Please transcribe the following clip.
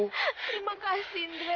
terima kasih andre